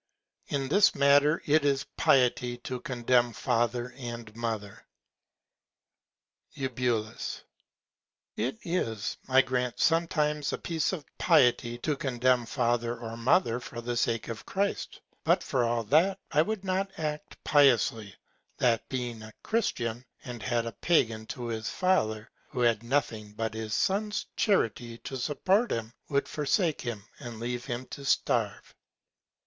In this Matter it is Piety to contemn Father and Mother. Eu. It is, I grant, sometimes a Piece of Piety to contemn Father or Mother for the Sake of Christ; but for all that, he would not act piously, that being a Christian, and had a Pagan to his Father, who had nothing but his Son's Charity to support him, should forsake him, and leave him to starve.